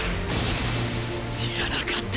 知らなかった。